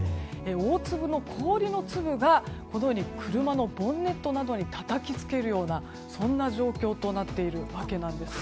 大粒の氷の粒が車のボンネットなどにたたきつけるようなそんな状況となっているんです。